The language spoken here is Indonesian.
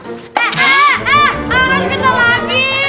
ah ah ah akan kena lagi